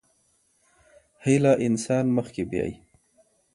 هيله انسان مخکې بيايي.